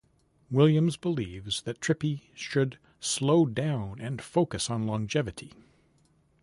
Williams believes that Trippie should "slow down and focus on longevity".